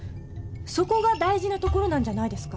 そこが大事なところなんじゃないですか。